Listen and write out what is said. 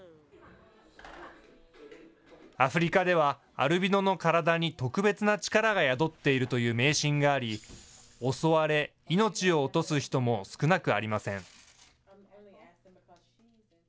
アフリカでは、アルビノの体に特別な力が宿っているという迷信があり、襲われ、命を落とす人も少なくありません。